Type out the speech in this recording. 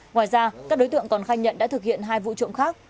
ngoài ra các đối tượng còn khai nhận đã thực hiện hai vụ trộm khác